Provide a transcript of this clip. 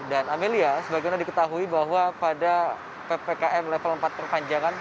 dan amelia sebagaimana diketahui bahwa pada ppkm level empat perpanjangan